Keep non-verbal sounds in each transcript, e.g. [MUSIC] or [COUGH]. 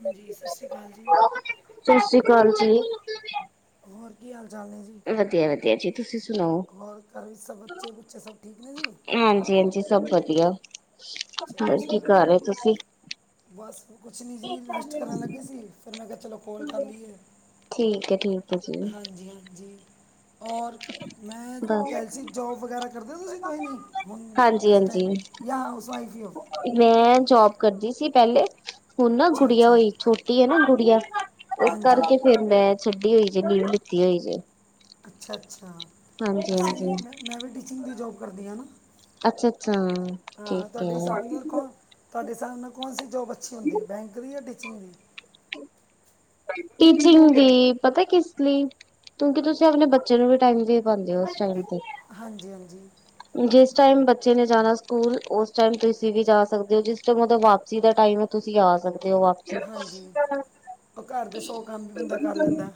ਹਾਂਜੀ, ਸਤਿ ਸ਼੍ਰੀ ਅਕਾਲ ਜੀ। ਸਤਿ ਸ਼੍ਰੀ ਅਕਾਲ ਜੀ। ਹੋਰ ਕੀ ਹਾਲ-ਚਾਲ ਨੇ ਜੀ। ਵਦੀਆ-ਵਦੀਆ ਜੀ, ਤੁਸੀਂ ਸੁਣਾਓ, ਹੋਰ ਘਰ ਵਿੱਚ ਸਭ ਬੱਚੇ ਬੁੱਚੇ ਸਭ ਠੀਕ ਨੇ ਜੀ ਹਾਂਜੀ-ਹਾਂਜੀ। ਸਭ ਵਧੀਆ, ਅੱਛਾ ਹੁਣ ਕੀ ਅੱਛਾ ਕਰ ਰਹੇ ਤੁਸੀਂ। ਬਸ ਕੁਛ ਨਹੀਂ ਜੀ, ਰੈਸਟ ਕਰਨ ਲੱਗੇ ਸੀ, ਫਿਰ ਮੈਂ ਕਿਹਾ ਚਲੋ ਕੋਲ ਕਰ ਲੀਏ। ਠੀਕ ਐ ਠੀਕ। ਹੈ ਜੀ ਹਾਂਜੀ-ਹਾਂਜੀ। ਔਰ ਮੈਂ ਬਸ ਕੈਲਸੀ ਜੋਬ ਵਗੈਰਾ ਕਰਦੇ ਹੋ ਤੁਸੀਂ ਕੋਈ ਨਹੀਂ, ਹੁਣ ਹਾਂਜੀ ਐਸ ਟੈਮ। ਹਾਂਜੀ ਜਾਂ ਹਾਊਸ ਵਾਈਫ ਈ ਹੋਵੇ। ਮੈਂ ਜੋਬ ਕਰਦੀ ਸੀ ਪਹਿਲੇ। ਹੁਣ ਨਾ ਅੱਛਾ ਗੁੜੀਆ ਅੱਛਾ ਹੋਈ, ਛੋਟੀ ਹੈ ਨਾ ਗੁੜੀਆ, ਉਸ ਹਾਂਜੀ ਕਰਕੇ ਫੇਰ ਮੈਂ ਛੱਡੀ ਹੋਈ ਜੇ, ਨੀੜ ਲਿੱਤੀ ਹੋਈ ਜੇ। ਅੱਛਾ-ਅੱਛਾ, ਹਾਂਜੀ ਅਸੀਂ ਹਾਂਜੀ ਵੀ ਮੈਂ ਵੀ ਟੀਚਿੰਗ ਦੀ ਜੋਬ ਕਰਦੀ ਆਂ ਨਾ। ਅੱਛਾ ਅੱਛਾ ਹਾਂ, ਠੀਕ ਤੁਹਾਡੇ ਹਿਸਾਬ ਹੈ। ਨਾਲ ਕੌਣ ਤੁਹਾਡੇ ਸਾਬ ਨਾਲ ਕੌਣ ਸੀ ਜੋਬ ਅੱਛੀ ਹੁੰਦੀ ਐ, ਬੈਂਕ ਦੀ ਜਾਂ ਟੀਚਿੰਗ ਦੀ। ਟੀਚਿੰਗ ਦੀ, ਪਤਾ ਕਿਸ ਲੀ ਕਿਉਂਕਿ ਤੁਸੀਂ ਆਪਣੇ ਬੱਚੇ ਨੂੰ ਵੀ ਟਾਈਮ ਦੇ ਪਾਂਦੇ ਹੋ, ਉਸ ਟਾਈਮ ਤੇ। ਹਾਂਜੀ-ਹਾਂਜੀ। ਜਿਸ ਟਾਈਮ ਬੱਚੇ ਨੇ ਜਾਣਾ ਸਕੂਲ, ਉਸ ਟਾਈਮ ਤੁਸੀਂ ਵੀ ਜਾ ਸਕਦੇ ਹੋ ਜੀ। ਜਦੋ ਵਾਪਸੀ ਦਾ ਟਾਈਮ ਆ, ਤੁਸੀਂ ਆ ਸਕਦੇ ਹੋ ਵਾਪ ਹਾਂਜੀ, ਉਹ ਘਰ ਦੇ ਸੌ ਕੰਮ ਵੀ ਬੰਦਾ ਕਰ ਲੈਂਦਾ।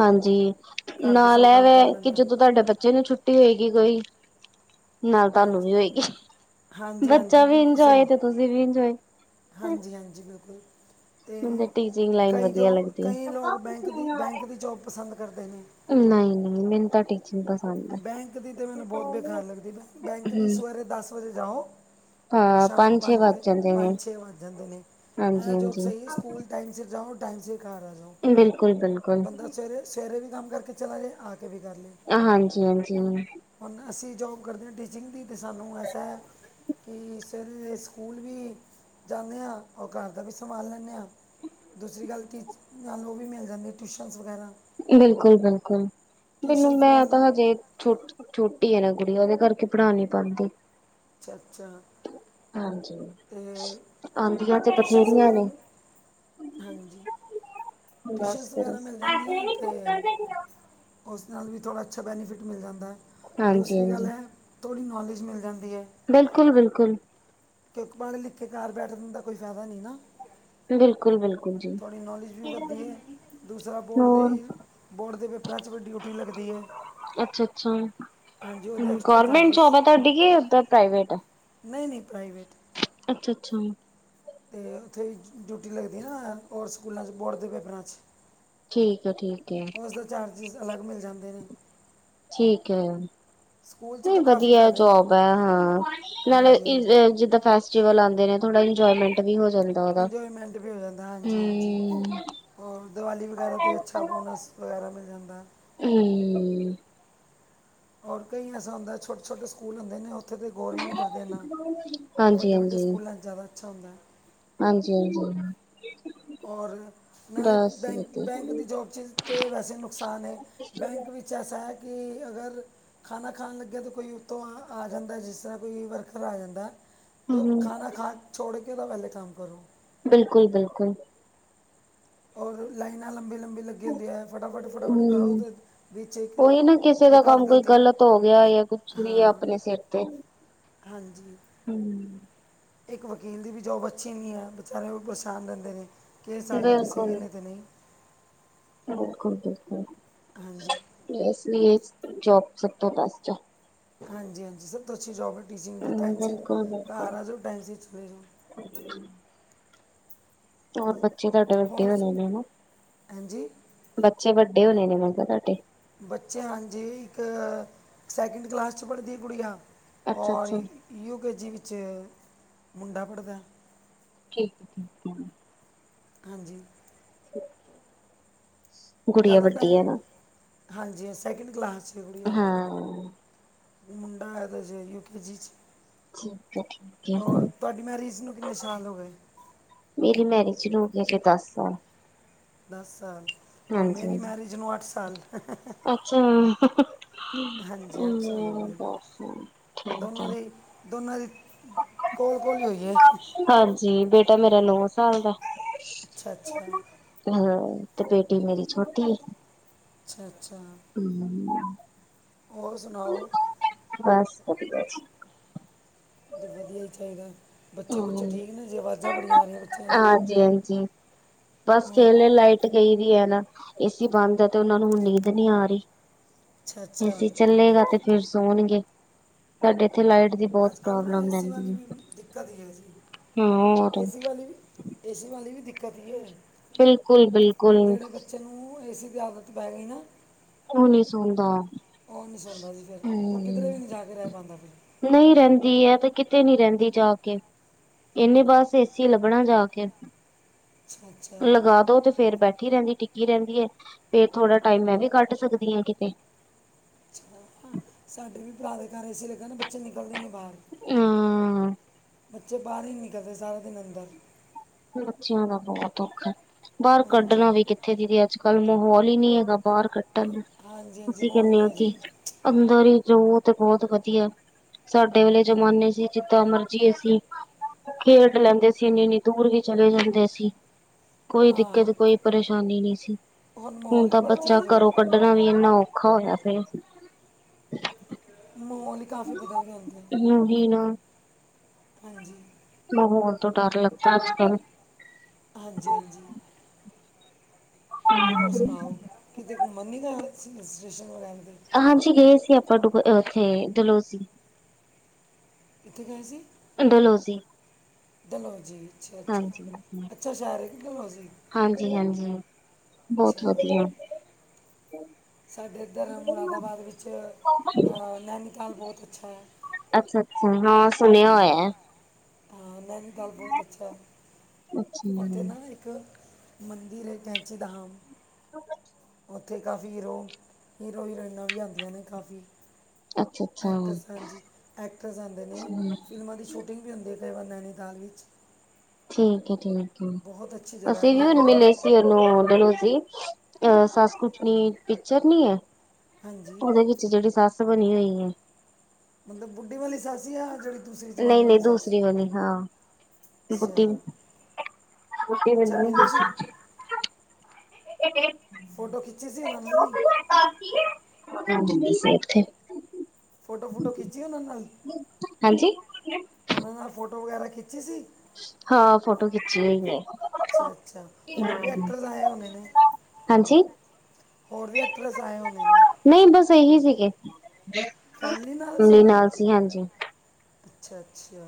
ਹਾਂਜੀ, ਘਰ ਦੇ ਨਾਲ ਇਹ ਕੰਮ ਕਰ ਵੈ ਕਿ ਲੈਂਦਾ ਜਦੋਂ ਤੁਹਾਡੇ ਬੱਚੇ ਨੂੰ ਛੁੱਟੀ ਹੋਏਗੀ ਕੋਈ ਨਾਲ ਤੁਹਾਨੂੰ ਹਾਂਜੀ ਵੀ ਹੋਏਗੀ, ਹਾਂਜੀ ਹਾਂਜੀ ਬੱਚਾ ਵੀ ਇੰਜੋਏ, ਤੇ ਤੁਸੀਂ ਵੀ ਇੰਜੋਏ। ਹਾਂਜੀ-ਹਾਂਜੀ, ਬਿਲਕੁਲ। ਤੇ ਮੈਨੂੰ ਤਾਂ ਟੀਚਿੰਗ ਲਾਈਨ ਕਈ ਵਧੀਆ ਜੋ ਲੱਗਦੀ ਹੈ ਕਈ ਲੋਕ ਬੈਂਕ ਦੀ, ਬੈਂਕ ਦੀ ਜੋਬ ਪਸੰਦ ਕਰਦੇ ਨੇ। ਨਈ-ਨਈ, ਮੈਨੂੰ ਤਾਂ ਟੀਚਿੰਗ ਪਸ ਬੈਂਕ ਦੀ ਤਾਂ ਮੈਨੂੰ ਬਹੁਤ ਬੇਕਾਰ ਲੱਗਦੀ ਏ, ਬੈਂਕ ਦੀ ਸਵੇਰੇ ਦਸ ਵਜੇ ਜਾਓ ਔਰ ਹਾਂ ਸ਼ਾਮੀ ਛੇ ਪੰਜ ਵੱਜ ਵਜੇ ਜਾਂਦੇ ਨੇ ਪੰਜ ਛੇ ਵੱਜ ਜਾਂਦੇ ਨੇ, ਹਾਂਜੀ ਐ ਜੋਬ ਹਾਂਜੀ ਸਹੀ ਸਕੂਲ ਟਾਈਮ ਸੇ ਜਾਓ, ਟਾਈਮ ਸੇ ਘਰ ਆ ਜਾਓ। ਬਿਲਕੁਲ-ਬਿਲਕੁਲ। ਸਵੇਰੇ-ਸਵੇਰੇ ਵੀ ਕੰਮ ਕਰਕੇ ਚਲਾ ਜਾਏ, ਆ ਕੇ ਵੀ ਕਰ ਲਏ। ਹਾਂਜੀ-ਹਾਂਜੀ। ਹੁਣ ਅਸੀਂ ਜੋਬ ਕਰਦੇ ਹਾਂ ਟੀਚਿੰਗ ਦੀ, ਤੇ ਸਾਨੂੰ ਐਸਾ ਕਿ ਸਵੇਰੇ ਸਕੂਲ ਵੀ ਜਾਂਨੇ ਆਂ, ਔਰ ਘਰ ਦਾ ਵੀ ਸੰਭਾਲ ਲੈਂਨੇ ਆਂ। ਦੂਸਰੀ ਗੱਲ ਟੀਚਰਾਂ ਨੂੰ ਵੀ ਮਿਲ ਜਾਂਦੀ ਐ ਟਿਊਸ਼ਨਜ਼ ਵਗੈਰਾ। ਬਿਲਕੁਲ-ਬਿਲਕੁਲ, ਮੈਨੂੰ ਟਿਊਸ਼ਨਸ ਮੈਂ ਨਾਲ ਤਾਂ ਹਜੇ ਛੁਟ ਛੋਟੀ ਹੈ ਨਾ ਕੁੜੀ, ਉਹਦੇ ਕਰਕੇ ਪੜ੍ਹਾ ਨੀ ਪਾਂਦੀ। ਚਰਚਾ ਹਾਂਜੀ, ਆਂਦੀਆਂ ਤੇ ਟਿਊਸ਼ਨਸ ਬਥੇਰੀਆਂ ਵਗੈਰਾ ਨੇ। ਮਿ- ਹਾਂਜੀ, ਬਸ ਟਿਊਸ਼ਨਸ ਫਿਰ ਵਗੈਰਾ ਮਿਲ ਜਾਂਦੀਆਂ ਤੇ ਉਸ ਨਾਲ ਵੀ ਥੋੜ੍ਹਾ ਅੱਛਾ ਬੈਨੀਫਿਟ ਮਿਲ ਜਾਂਦਾ, ਦੂਸਰੀ ਗੱਲ ਹਾਂਜੀ-ਹਾਂਜੀ। ਐ ਥੋੜ੍ਹੀ ਨੌਲੇਜ ਮਿਲ ਜਾਂਦੀ ਐ। ਬਿਲਕੁਲ-ਬਿਲਕੁਲ। ਕਿਉਂਕਿ ਪੜ ਲਿਖ ਕੇ ਘਰ ਬੈਠਣ ਦਾ ਕੋਈ ਫੈਦਾ ਨੀ ਨਾ। ਬਿਲਕੁਲ-ਬਿਲਕੁਲ ਜੀ। ਥੋੜੀ ਨੌਲੇਜ ਵੀ ਵੱਧਦੀ ਹੈ ਦੂਸਰਾ ਬੋਰਡ ਹੋਰ ਦੇ, ਬੋਰਡ ਦੇ ਪੇਪਰਾਂ ਚ ਵੀ ਡਿਊਟੀ ਲੱਗਦੀ ਐ। ਅੱਛਾ-ਅੱਛਾ, ਐਕਸਟਰਾ ਗੋਰਮੈਂਟ ਜੋਬ ਐ ਤੁਹਾਡੀ ਕਿ ਓਦਾਂ ਪ੍ਰਾਈਵੇਟ ਐ। ਨਈ-ਨਈ ਪ੍ਰਾਈਵੇਟ। ਅੱਛਾ-ਅੱਛਾ। ਤੇ ਉੱਥੇ ਡਿਊਟੀ ਲਗਦੀ ਐ ਨਾ ਹੋਰ ਸਕੂਲਾਂ ਚ, ਬੋਰਡ ਦੇ ਪੇਪਰਾਂ ਚ। ਠੀਕ ਐ-ਠੀਕ ਐ। ਉਸ ਦੇ ਚਾਰਜਿਸ ਅਲੱਗ ਮਿਲ ਜਾਂਦੇ ਨੇ। ਠੀਕ ਹੈ। ਸਕੂਲ 'ਚ ਨਹੀਂ ਤਾਂ ਕਾਫੀ ਵਧੀਆ ਫਾਇਦੇ ਨੇ ਜੋਬ ਹੈ ਹਾਂ ਨਾਲੇ ਹਾਂਜੀ ਹਾਂਜੀ ਜਿੱਦਾਂ ਫੈਸਲਾ ਜ ਲਾਂਦੇ ਨੇ ਥੋੜਾ ਇਨਜੋਮੈਂਟ ਵੀ ਜਾਂਦਾ ਉਹਦਾ। ਇੰਜੋਏਮੈਂਟ ਵੀ ਹੋ ਜਾਂਦਾ ਹਾਂਜੀ-ਹਾਂਜੀ। ਹੂੰ ਹੋਰ ਦੀਵਾਲੀ ਵਗੈਰਾ 'ਤੇ ਅੱਛਾ ਬੋਨਸ ਵਗੈਰਾ ਮਿਲ ਜਾਂਦਾ। ਹੂੰ। ਹੋਰ ਕੋਈ ਐਸਾ ਹੁੰਦਾ ਛੋਟੇ-ਛੋਟੇ ਸਕੂਲ ਹੁੰਦੇ ਨੇ। ਉੱਥੇ ਤਾਂ ਗੌਰ ਹੀ ਨਹੀਂ ਕਰਦੇ ਇਨਾ ਵੱਡੇ-ਵੱਡੇ ਹਾਂਜੀ-ਹਾਂਜੀ, ਸਕੂਲਾਂ 'ਚ ਜ਼ਿਆਦਾ ਅੱਛਾ ਹੁੰਦਾ। ਹਾਂਜੀ-ਹਾਂਜੀ। ਔਰ ਨਾਲੇ ਬਸ ਬੈਂਕ ਵਧੀਆ। ਬੈਂਕ ਦੀ ਜੋਬ 'ਚ ਤਾਂ ਵੈਸੇ ਨੁਕਸਾਨ ਹੈ, ਬੈਂਕ ਵਿੱਚ ਬੱਚ ਐਸਾ ਹੈ ਕਿ ਅਗਰ ਖਾਣਾ-ਖਾਣ ਲੱਗਿਆ, ਤਾਂ ਕੋਈ ਉੱਤੋਂ ਆ ਆ ਜਾਂਦਾ ਜਿਸ ਤਰ੍ਹਾਂ ਕੋਈ ਵਰਕਰ ਆ ਜਾਂਦਾ। ਅਤੇ ਹੂੰ, ਖਾਣਾ ਖਾ ਛੋੜ ਕੇ ਤਾਂ ਪਹਿਲੇ ਕੰਮ ਕਰੋ। ਬਿਲਕੁਲ-ਬਿਲਕੁਲ। ਔਰ ਲਾਈਨਾਂ ਲੰਬੇ-ਲੰਬੇ ਲੱ ਹਦੀ ਹੈ ਫਟਾਫਟ-ਫਟਾਫਟ ਕਰੋ ਹੂੰ। ਅਤੇ ਵਿੱਚ ਏ ਉਹੀ ਨਾ ਆਧ ਗ਼ਲਤੀ। ਛਰੀਏ ਆਪਣੇ ਸਿਰ ਤੇ। ਹਾਂਜੀ। ਹੂੰ। ਇੱਕ ਵਕੀਲ ਦੀ ਵੀ ਜੋਬ ਅੱਛੀ ਨਹੀਂ ਹੈ, ਵਿਚਾਰੇ ਪਰੇਛਾਨ ਰਹਿੰਦੇ ਨੇ ਕੈਸ ਆਗਿਆ ਤਾਂ ਸਹੀ ਬਿਲਕੁਲ, ਐ ਤੇ ਨਹੀਂ। ਬਿਲਕੁਲ-ਬਿਲਕੁਲ। ਹਾਂਜੀ, ਯੈਸ ਨੀ ਇਹ ਜੋਬ ਸਭ ਤੋਂ ਪਾਸ ਚ ਹਾਂਜੀ-ਹਾਂਜੀ, ਸਰ ਤੁਸੀ ਅਛੀ ਜੋਬ ਹੈ, ਟੀਚਿੰਗ ਦੀ ਹੂੰ, ਟਾਈਮ ਸੀ ਆ ਜਾਉ ਟਾਈਮ ਸੀ ਚਲੇ ਜਾਓ। ਹੂੰ, ਹੋਰ ਬੱਚੇ ਤੁਹਾਡੇ ਵੱਡੇ ਹੋਰ ਹੋਣੇ ਨੇ ਹਨਾ, ਹਾਂਜੀ ਬੱਚੇ ਵੱਡੇ ਹੋਣੇ ਨੇ ਮੈਂ ਕਿਹਾ ਤੁਹਾਡੇ ਬੱਚੇ ਹਾਂਜੀ, ਇੱਕ ਸੈਕਿੰਡ ਕਲਾਸ 'ਚ ਪੜ੍ਹਦੀ ਕੁੜੀ ਆ ਔਰ ਅੱਛਾ-ਅੱਛਾ, ਯੁ ਕੇਜੀ ਵਿੱਚ ਮੁੰਡਾ ਪੜ੍ਹਦਾ। ਠੀਕ ਹੈ ਠੀਕ, ਹਾਂਜੀ, [UNINTELLIGIBLE] ਗੁੜੀਆ ਜ਼ਿਆਦਾ ਵੱਡੀ ਹੈ ਟਾਈਮ ਨਾ? ਹਾਂਜੀ ਸੈਕਿੰਡ ਕਲਾਸ 'ਚ ਐ ਗੁੜੀਆ ਹਾਂ, ਮੁੰਡਾ ਹੈ ਤੇ ਜੇ ਯੂ ਕੇ ਜੀ ਚ, ਠੀਕ ਹੈ, ਠੀਕ ਹੈ। ਹੋਰ ਤੁਹਾਡੀ ਮੈਰੀਜ਼ ਨੂੰ ਕਿੰਨੇ ਸਾਲ ਹੋ ਗਏ? ਮੇਰੀ ਮੈਰਿਜ ਨੂੰ ਹੋਗੇ, ਦਸ ਸਾਲ ਦਸ ਸਾਲ ਔਰ ਹਾਂਜੀ ਮੇਰੀ ਹਾਂਜੀ। ਮੈਰਿਜ ਨੂੰ ਅੱਠ ਸਾਲ ਅੱਛਾ ਹਾਂਜੀ ਸਾਲ ਹੋ ਗਏ ਬਸ ਠੀਕ ਦੋਨਾਂ ਹੈ। ਦੀ ਦੋਨਾਂ ਦੀ ਕੋਲ-ਕੋਲ ਹੋਏ। ਹਾਂਜੀ, ਬੇਟਾ ਮੇਰਾ ਨੌ ਸਾਲ ਦਾ ਅੱਛਾ ਅੱਛਾ ਹਾ ਤੇ ਬੇਟੀ ਮੇਰੀ ਛੋਟੀ ਐ ਅੱਛਾ-ਅੱਛਾ, ਹੂੰ, ਹੋਰ ਸੁਣਾਓ? ਬਸ ਵਧੀਆ ਜੀ, ਵਧੀਆ ਹੀ ਚਾਹੀਦਾ। ਬੱਚੇ ਬੁੱਚੇ ਹੂੰ। ਠੀਕ ਨੇੇ ਆਵਾਜ਼ਾਂ ਬੜੀਆਂ ਆ ਰਹੀਆਂ ਬੱਚਿਆਂ ਦੀ, ਹਾਂਜੀ ਹਾਂਜੀ ਬਸ ਹੋਰ ਖਲੇ ਲਾਈਟ ਗਈ ਦੀ ਹੈ ਨਾ ਏਸੀ ਬੰਦ ਹੈ ਤੇ ਉਹਨਾਂ ਨੂੰ ਨੀਂਦ ਨੀ ਆ ਰਹੀ। ਅੱਛਾ ਅੱਛਾ ਅਸੀ ਚੱਲੇਗਾ, ਤੇ ਫੇਰ ਸੋਣਗੇ ਤੁਹਾਡੇ ਇੱਥੇ ਲਾਈਟ ਦੀ। ਬਹੁਤ ਅੱਜ-ਕੱਲ੍ਹ ਨਾ ਪ੍ਰੋਬਲਮ ਏਸੀ ਵਾਲੀ ਰਹਿੰਦੀ ਵੀ ਹੈ। ਦਿੱਕਤ ਹੀ ਹੈ, ਜੀ ਹੋਰ। ਏਸੀ ਵਾਲੀ ਵੀ, ਏਸੀ ਵਾਲੀ ਵੀ ਦਿੱਕਤ ਕੀ ਹੋ ਜਾਣੀ। ਬਿਲਕੁਲ ਬਿਲਕੁਲ ਚਨੂ ਏਸੀ ਦੀ ਆਦਤ ਪੈ ਗਈ ਨਾ ਉਹ ਨਹੀਂ ਸੌਂਦਾ ਉਹ ਨਹੀਂ ਸੌਂਦਾ ਜਿਜਰ ਫਿਰ ਉਹ ਕਿਧਰੇ ਹੂੰ ਵੀ ਨਹੀਂ ਜਾ ਕੇ ਰਹਿ ਪਾਉਂਦਾ ਫਿਰ ਨਹੀਂ ਰਹਿੰਦੀ ਹੈ ਤੇ ਕਿਤੇ ਨਹੀਂ ਰਹਿੰਦੀ ਜਾ ਕੇ ਇੰਨੇ ਬਸ ਏਸੀ ਲੱਭਣਾ ਜਾ ਕੇ ਅੱਛਾ ਅੱਛਾ ਲਗਾ ਦੋ ਤੇ ਫਿਰ ਬੈਠੀ ਰਹਿੰਦੀ ਟਿੱਕੀ ਰਹਿੰਦੀ ਹੈ, ਫਿਰ ਥੋੜਾ ਟਾਈਮ ਮੈਂ ਵੀ ਕੱਢ ਸਕਦੀ ਹਾਂ ਕਿਤੇ। ਸਾਡੇ ਵੀ ਭਰਾ ਦੇ ਘਰ ਏਸੀ ਲੱਗਾ ਬੱਚੇ ਨਿਕਲਦੇ। ਬਾਹਰ ਬੱਚੇ ਬਾਹਰ ਹੀ ਨਹੀਂ ਨਿਕਲਦੇ ਸਾਰਾ ਦਿਨ। ਅੰਦਰ ਬੱਚਿਆਂ ਦਾ ਬਹੁਤ ਔਖਾ ਹੈ ਬਾਹਰ ਹਾਂਜੀ ਕੱਢਣਾ ਵੀ ਇੱਥੇ ਦੀਦੀ ਅੱਜ ਕੱਲ ਮਾਹੌਲ ਹੀ ਨਹੀਂ ਹੈਗਾ ਬਾਹਰ ਕੱਟਣ ਨੂੰ ਹਾਂਜੀ ਹਾਂਜੀ ਤੁਸੀਂ ਮਾਹੌਲ ਕਹਿੰਦੇ ਨਹੀਂ ਆ ਹੈ ਕਿ ਜੀ ਅੰਦਰ ਹੀ ਜੋ ਤੇ ਬਹੁਤ ਵਧੀਆ ਸਾਡੇ ਵੇਲੇ ਜ਼ਮਾਨੇ ਸੀ ਜਿੱਦਾਂ ਮਰਜੀ ਅਸੀਂ ਖੇਡ ਲੈਂਦੇ ਸੀ ਇਨੀ ਇਨੀ ਦੂਰ ਹੀ ਚਲੇ ਜਾਂਦੇ ਸੀ ਕੋਈ ਹਾਂ ਦਿੱਕਤ ਕੋਈ ਪਰੇਸ਼ਾਨੀ ਨਹੀਂ ਸੀ। ਹੁਣ ਮਾਹੌਲ ਹੀ ਤਾਂ ਬੜਾ ਬੱਚਾ ਚੇਂਜ ਹੋ ਘਰੋਂ ਗਿਆ ਕੱਢਣਾ ਵੀ ਇੰਨਾ ਔਖਾ ਹੋਇਆ ਪਿਆ ਮਾਹੌਲ ਹੀ ਕਾਫੀ ਬਦਲ ਜਾਂਦਾ ਹੈ। ਯੂਈ ਨਾ ਹਾਂਜੀ ਮਾਹੌਲ ਤੋਂ ਡਰ ਲੱਗਦਾ ਅੱਜ ਕੱਲ ਹਾਂਜੀ ਹਾਂਜੀ ਹੋਰ ਸੁਣਾਓ ਕਿਤੇ ਘੁੰਮਣ ਨਹੀਂ ਜਾਣਾ ਤੁਸੀਂ ਹੀਲ ਸਟੇਸ਼ਨ ਵਗੈਰਾ 'ਤੇ ਹਾਂਜੀ ਗਏ ਸੀ ਆਪਾਂ ਉੱਥੇ ਦਲੋਜੀ। ਕਿੱਥੇ ਗਏ ਸੀ। ਡਲੋਜੀ। ਡਲੋਜੀ ਅੱਛਾ ਅੱਛਾ ਹਾਂਜੀ ਅੱਛਾ ਅੱਛਾ ਰਿਗ ਡਲੋਜੀ। ਹਾਂਜੀ ਹਾਂਜੀ ਬਹੁਤ ਵਧੀਆ। ਸਾਡੇ ਇੱਧਰ ਮੁਰਾਦਾਬਾਦ ਵਿੱਚ ਨੈਨੀਤਾਲ ਬਹੁਤ ਅੱਛਾ ਹੈ। ਅੱਛਾ ਅੱਛਾ ਹਾਂ ਸੁਣਿਆ ਹਾਂ ਹੋਇਆ। ਹਾਂ ਨੈਨੀਤਾਲ ਬਹੁਤ ਅੱਛਾ ਹੈ। ਅੱਛਾ ਉੱਥੇ ਨਾ ਇੱਕ ਮੰਦਿਰ ਹੈ, ਕੈਂਚੀ ਧਾਮ। [UNINTELLIGIBLE] ਉੱਥੇ ਕਾਫੀ ਹੀਰੋ ਹੀਰੋ ਹੀਰੋਇਨਾਂ ਵੀ ਆਉਂਦੀਆਂ ਨੇ ਕਾਫੀ। ਅੱਛਾ ਅੱਛਾ। ਐਕਟਰਸ ਹਾਂਜੀ ਐਕਟਰਸ ਆਉਦੇ ਨੇ ਫਿਲਮਾਂ ਦੀ ਛੋ ਛੁਟਿੰਗ ਵੀ ਹੁੰਦੀ ਕਈ ਬੰਦਿਆਂ ਦੀ ਨੈਨੀਤਾਲ ਵਿੱਚ। ਠੀਕ ਹੈ ਠੀਕ ਬਹੁਤ ਅੱਛੀ ਹੈ ਜਗ੍ਹਾ ਹੈ ਅਸੀਂ ਵੀ ਹਣ ਨੈਨੀਤਾਲ ਮਿਲੇ ਸੀ। ਡਲੋਜੀ ਅਹ ਸੱਸ ਕੁਟਨੀ ਇੱਜਤ ਨਹੀਂ ਹੈ। ਹਾਂਜੀ ਉਨੇ ਨੀ ਜਿਹੜੀ ਸੱਸ ਬਣੀ ਹੋਈ ਹੈ। ਮਤਲਬ ਬੁੱਢੀ ਵਾਲੀ ਸੱਸ ਜਾ ਜਿਹੜੀ। ਦੂਸਰੀ ਜਵਾਨ ਨਹੀਂ ਵਾਲੀ ਨਹੀਂ ਸੱਸ ਦੂਸਰੀ ਵਾਲੀ ਹਾਂ ਬੱਢੀ। ਅੱਛਾ ਬੁੱਢੀ ਅੱਛਾ ਮੈਨੂੰ ਤੂੰ ਮਿਲੇ ਸੀ ਸੂਝੇ। ਫੋਟੋ [UNINTELLIGIBLE] ਖਿੱਚੀ ਸੀ ਉਹਨਾਂ ਨਾਲ ਨਹੀਂ ਹਾਂਜੀ ਤੁਸੀਂ ਇੱਥੇ ਫੋਟੋ ਫੋਟੋ ਖਿੱਚੀ ਉਹਨਾਂ ਨਾਲ ਹਾਂਜੀ। ਉਹਨਾਂ ਨਾਲ ਫੋਟੋ ਵਗੈਰਾ ਖਿੱਚੀ ਸੀ। ਹਾਂ ਫੋਟੋ ਖਿੱਚੀ ਹੋਈ ਨੇ। ਅੱਛਾ ਅੱਛਾ ਹੋਰ ਵੀ ਐਕਟਰਸ ਆਏ ਹੋਣੇ ਨੇ ਹਾਂਜੀ। ਹੋਰ ਵੀ ਐਕਟਰੈਸ ਆਏ ਹੁਣੇ ਨੇ। ਨਹੀਂ ਬਸ ਇਹੀ ਸੀਗੇ ਫੈਮਿਲੀ ਸੀ ਇਕੱਲੀ ਆਪਣੇ ਨਾਲ ਸੀ ਹਾਂਜੀ। ਅੱਛਾ ਅੱਛਾ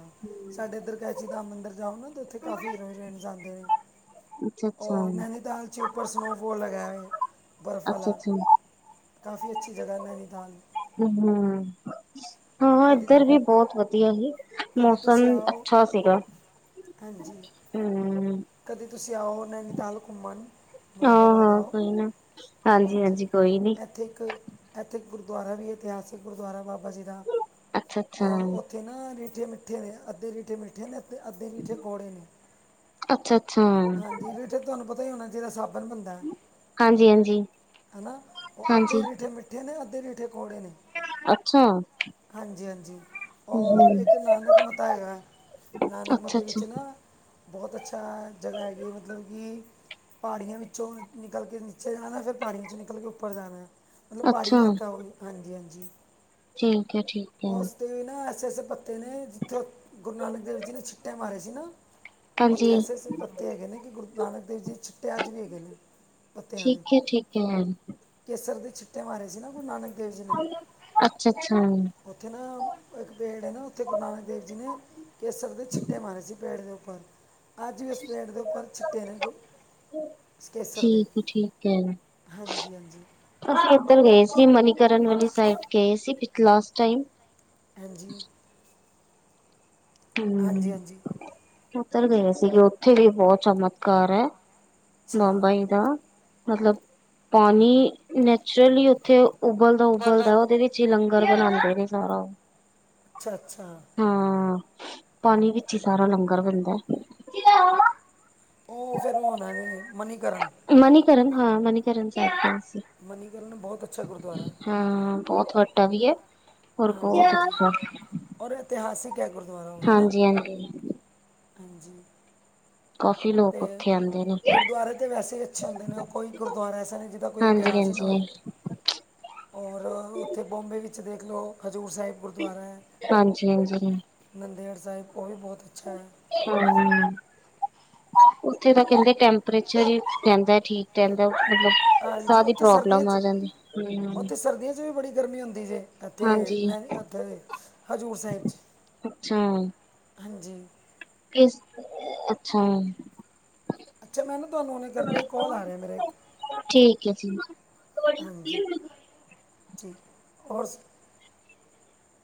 ਸਾਡੇ ਇੱਧਰ ਕੈਚੀ ਨਾਮ ਮੰਦਰ ਜਾਓ ਨਾ। ਉੱਥੇ ਕਾਫੀ ਹੀਰੋ ਹੀਰਇਨਜ਼ ਆਦੇ ਨੇ ਅੱਛਾ ਅੱਛਾ ਔਰ ਨੈਨੀਤਾਲ। ਬੱਚੀ, ਉੱਪਰ ਸਨੋਫਾਲ ਲਗਾ ਹੈ ਬਰਫ਼ ਅੱਛਾ ਵਾਲਾ। ਅੱਛਾ ਕਾਫੀ, ਅੱਛੀ ਜਗ੍ਹਾ, ਨੈਨੀਤਾਲ। ਹਮ, ਹਾਂ ਕਦੀ ਇੱਧਰ ਵੀ ਬਹੁਤ ਵਧੀਆ ਸੀ। ਕਦੀ ਮੌਸਮ, ਤੁਸੀਂ ਆਓ ਅੱਛਾ ਸੀਗਾ। ਹਾਂਜੀ, ਹਮ ਕਦੇ ਤੁਸੀਂ ਆਓ, ਨੈਨੀਤਾਲ ਘੁੰਮਣ। ਹਾਂ ਮੁਰਾਦਾਬਾਦ ਹਾਂ ਆਓ, ਕੋਈ ਨਾ ਹਾਂਜੀ, ਇੱਥੇ ਇੱਕ। ਇੱਥੇ ਇੱਕ ਗੁਰਦੁਆਰਾ ਵੀ ਇਤਿਹਾਸਿਕ ਗੁਰਦੁਆਰਾ ਬਾਬਾ ਜੀ ਦਾ, ਅੱਛਾ ਅੱਛਾ ਉੱਥੇ ਨਾ ਠੇ, ਮਿੱਠੇ ਨੇ ਅੱਧੇ ਰੀਠੇ ਮਿੱਠੇ ਨੇ। ਤੇ ਅੱਧੇ ਰੀਠੇ ਕੌੜੇ ਨੇ, ਅੱਛਾ ਅੱਛਾ ਹਾਂਜੀ, ਰੀਠੇ ਤੁਹਾਨੂੰ ਪਤਾ ਹੀ ਹੋਣਾ ਚਾਹੀਦਾ ਸਾਬ ਹਾਂਜੀ ਹਾਂਜੀ [UNINTELLIGIBLE] ਉਹ ਹਾਂਜੀ ਅੱਧੇ, ਰੀਠੇ- ਮਿੱਠੇ ਠੇ ਨੇ, ਅੱਧੇ ਰੀਠੇ ਕੌੜੇ ਨੇ, ਅੱਛਾ ਹਾਂਜੀ -ਹਾਂਜੀ, ਅੱਛਾ ਔਰ ਇੱਕ। ਇੱਕ ਨਾਨਕ ਮਤਾ ਹੈਗਾ, ਨਾਨਕ ਅੱਛਾ ਮਤੇ ਵਿੱਚ ਨਾ। ਬਹੁਤ ਅੱਛਾ, ਜਗ੍ਹਾ ਹੈਗੀ ਮਤਲਬ ਕਿ ਪਹਾੜੀਆਂ ਵਿੱਚੋਂ ਨਿਕਲ ਕੇ ਨੀਚੇ ਜਾਣਾ, ਫਿਰ ਪਹਾੜੀਆਂ ਵਿੱਚੋਂ ਨਿਕਲ ਕੇ ਉੱਪਰ ਜਾਣਾ। ਮਤਲਬ, ਪਹਾੜੀ ਅੱਛਾ ਇਲਾਕਾ, ਉਹ ਵੀ, ਹਾਂਜੀ -ਹਾਂਜੀ। ਠੀਕ ਹੈ-ਠੀਕ ਹੈ। ਉਸ ਤੇ ਨਾ ਐਸੇ- ਐਸੇ, ਪੱਤੇ ਨੇ ਜਿੱਥੇ ਗੁਰੂ ਨਾਨਕ ਦੇਵ ਜੀ ਨੇ ਛਿੱਟੇ ਮਾਰੇ ਸੀ ਨਾ ਉੱਥੇ, ਹਾਂਜੀ ਐਸੇ -ਐਸੇ ਪੱਤੇ ਹੈਗੇ ਨੇ, ਕਿ ਗੁਰੂ ਨਾਨਕ ਦੇਵ ਜੀ। ਛਿੱਟੇ ਅੱਜ ਵੀ, ਹੈਗੇ ਨੇ ਪੱਤਿਆਂ ਦੇ, ਠੀਕ ਹੈ ਠੀਕ ਹੈ ਕੇਸਰ ਦੇ ਛਿੱਟੇ ਮਾਰੇ ਸੀ ਨਾ, ਗੁਰੂ ਨਾਨਕ। ਦੇਵ ਜੀ ਨੇ ਅੱਛਾ -ਅੱਛਾ। ਉੱਥੇ ਨਾ, ਇੱਕ ਪੇੜ ਹੈ ਨਾ, ਉੱਥੇ ਗੁਰੂ ਨਾਨਕ ਦੇਵ ਜੀ ਨੇ ਕੇਸਰ ਦੇ, ਛਿੱਟੇ ਮਾਰੇ ਸੀ, ਪੇੜ ਦੇ ਉੱਪਰ। ਅੱਜ ਵੀ, ਉਸ ਪੇੜ ਦੇ ਉੱਪਰ ਛਿੱਟੇ ਨੇ, ਕੇਸਰ ਦੇ। ਠੀਕ ਹੈ ਠੀਕ ਹੈ‌। ਹਾਂਜੀ- ਹਾਂਜੀ। ਅਸੀਂ ਇੱਧਰ ਗਏ ਸੀ, ਮਨੀਕਰਨ ਵਾਲੀ, ਸਾਈਡ ਗਏ ਸੀ, ਲਾਸਟ ਟਾਈਮ। ਹਾਂਜੀ। ਹਾਂਜੀ ਹਮ, ਹਾਂਜੀ ਉੱਧਰ ਗਏ ਸੀਗੇ, ਉੱਥੇ ਵੀ ਬਹੁਤ ਚਮਤਕਾਰ ਹੈ। ਅੱਛਾ ਬਾਬਾ ਜੀ ਦਾ, ਮਤਲਬ ਪਾਣੀ ਨੈਚੁਰਲੀ ਉੱਥੇ ਉਬਲਦਾ- ਬੋਲ ਉਬਲਦਾ, ਦੋ ਉਹਦੇ ਵਿੱਚ ਹੀ ਲੰਗਰ ਬਣਾਉਂਦੇ ਨੇ, ਸਾਰਾ ਉਹ। ਅੱਛਾ- ਅੱਛਾ। ਹਾਂ, ਪਾਣੀ ਵਿੱਚ ਹੀ ਸਾਰਾ ਲੰਗਰ ਬਣਦਾ। ਉਹ, ਫਿਰ ਹੋਣਾ ਨੇ ਮਨੀਕਰਨ। ਮਨੀਕਰਨ, ਹਾਂ ਮਨੀਕਰਨ ਸਾਹਿਬ ਕਿਹਾ ਸੀ। ਮਨੀਕਰਨ, ਬਹੁਤ ਅੱਛਾ ਗੁਰਦੁਆਰਾ ਹੈ। ਹਾਂ, ਬਹੁਤ ਵੱਡਾ ਵੀ ਹੈ। ਹੋਰ ਹਾਂਜੀ- ਬਹੁਤ ਹਾਂਜੀ, ਅੱਛਾ ਔਰ ਇਤਿਹਾਸਿਕ ਹੈ, ਗੁਰਦੁਆਰਾ ਉਹ ਵੀ ਨਾ। ਹਾਂਜੀ ਹਾਂਜੀ ਹਾਂਜੀ। ਕਾਫੀ ਲੋਕ ਅਤੇ ਉੱਥੇ ਆਉਂਦੇ ਨੇ ਗੁਰਦੁਆਰੇ ਤਾਂ, ਵੈਸੇ ਅੱਛੇ ਹੁੰਦੇ ਨੇ, ਕੋਈ ਗੁਰਦੁਆਰਾ ਐਸਾ ਨਹੀਂ, ਜਿਹਦਾ ਕੋਈ, ਹਾਂਜੀ ਇਤਿਹਾਸ ਹੀ ਨਾ ਹਾਂਜੀ ਹੋਏ। ਔਰ, ਉੱਥੇ ਬੋਂਬੇ ਵਿੱਚ ਦੇਖ ਲਓ, ਹਜ਼ੂਰ ਸਾਹਿਬ ਗੁਰਦੁਆਰਾ ਹੈ। ਹਾਂਜੀ ਹਾਂਜੀ ਨੰਦੇੜ ਸਾਹਿਬ, ਉਹ ਵੀ ਬਹੁਤ ਅੱਛਾ ਹੈ। ਹਮ, ਉੱਥੇ ਤਾਂ ਕਹਿੰਦੇ, ਟੈਂਪਰੇਚਰ ਹੀ ਰਹਿੰਦਾ ਠੀਕ। ਕਹਿੰਦੇ, ਮਤਲਬ ਹਾਂਜੀ ਸਾਹ ਦੀ ਉੱਥੇ ਸਰਦੀਆਂ ਪ੍ਰੋਬਲਮ 'ਚ ਆ ਜਾਂਦੀ। ਸਰਦੀਆਂ ਉੱਥੇ, ਵੀ ਬੜੀ ਗਰਮੀ ਹੁੰਦੀ ਜੇ। ਏਥੇ, ਹਾਂਜੀ ਨੈਨੀ, ਅਹ, ਉੱਥੇ ਹਜ਼ੂਰ ਸਾਹਿਬ ਚ, ਅੱਛਾ ਹਾਂਜੀ। ਕਿਸ, ਅੱਛਾ। ਅੱਛਾ ਮੈਂ ਨਾ, ਤੁਹਾਨੂੰ ਹੁਣੇ ਕਰਨੀ ਹਾਂ, ਕੋਲ ਆ ਰਿਹਾ ਮੇਰਾ ਇੱਕ। ਹਾਂਜੀ [UNINTELLIGIBLE] [UNINTELLIGIBLE]